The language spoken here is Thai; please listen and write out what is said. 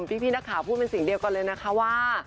พี่นักข่าวพูดเป็นเสียงเดียวกันเลยนะคะว่า